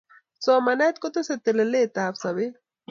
somanet kotesei telelet ap sapet